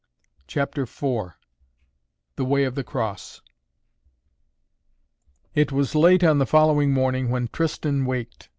CHAPTER IV THE WAY OF THE CROSS It was late on the following morning when Tristan waked.